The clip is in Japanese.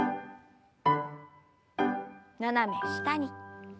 斜め下に。